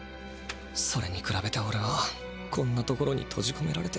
それにくらべておれはこんなところにとじこめられて。